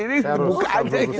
ini buka aja ini